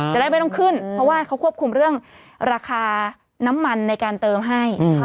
จะได้ไม่ต้องขึ้นเพราะว่าเขาควบคุมเรื่องราคาน้ำมันในการเติมให้